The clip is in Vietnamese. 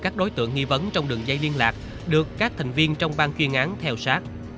các đối tượng nghi vấn trong đường dây liên lạc được các thành viên trong ban chuyên án theo sát